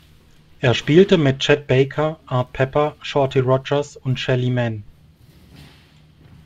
Er spielte mit Chet Baker, Art Pepper, Shorty Rogers und Shelly Manne.